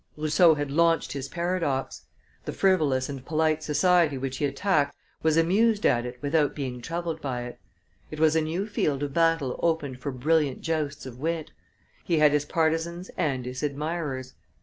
Rousseau had launched his paradox; the frivolous and polite society which he attacked was amused at it without being troubled by it: it was a new field of battle opened for brilliant jousts of wit; he had his partisans and his admirers.